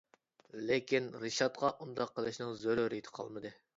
لېكىن رىشاتقا ئۇنداق قىلىشنىڭ زۆرۈرىيىتى قالمىدى.